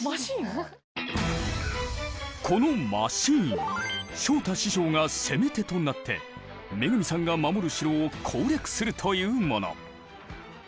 このマシーン昇太師匠が「攻め手」となって恵さんが守る城を攻略するというもの。